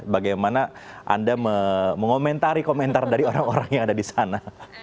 bagaimana anda mengomentari komentar dari orang orang yang ada di sana